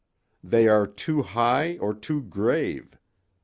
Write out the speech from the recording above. They are too high or too grave.